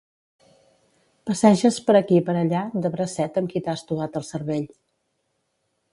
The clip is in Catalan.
Passeges per aquí per allà de bracet amb qui t'ha estovat el cervell.